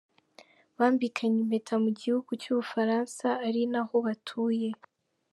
Bambikaniye impeta mu gihugu cy’u Bufaransa ari naho batuye.